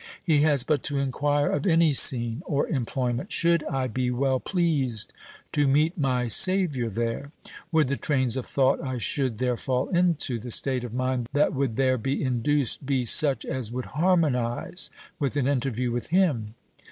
He has but to inquire of any scene or employment, "Should I be well pleased to meet my Savior there? Would the trains of thought I should there fall into, the state of mind that would there be induced, be such as would harmonize with an interview with him?"